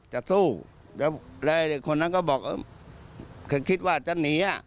จะสู้แล้วคนนั้นก็บอกคิดว่าจะหนี